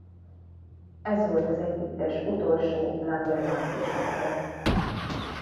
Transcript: Ez volt az együttes utolsó number one kislemeze.